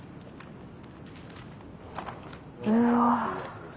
うわ。